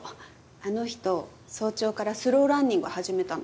あの人早朝からスローランニング始めたの。